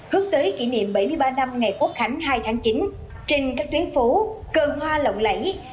hướng tới kỷ niệm bảy mươi ba năm ngày quốc khánh hai tháng chín trên các tuyến phố cơn hoa lộng lẫy